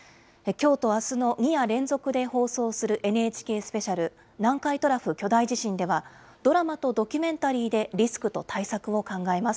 きょうとあすの２夜連続の放送するＮＨＫスペシャル、南海トラフ巨大地震では、ドラマとドキュメンタリーでリスクと対策を考えます。